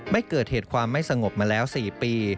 ไม่เกิดเหตุความไม่สงบมาแล้ว๔ปี